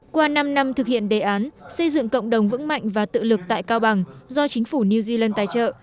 qua năm năm thực hiện đề án xây dựng cộng đồng vững mạnh và tự lực tại cao bằng do chính phủ new zealand tài trợ